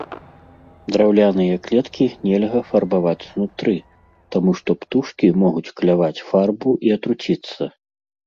Драўляныя клеткі нельга фарбаваць знутры, таму што птушкі могуць кляваць фарбу і атруціцца.